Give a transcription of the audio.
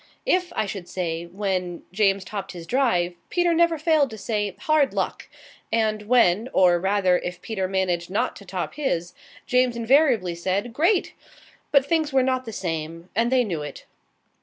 If I should say when, James topped his drive, Peter never failed to say "Hard luck!" And when or, rather, if Peter managed not to top his, James invariably said "Great!" But things were not the same, and they knew it.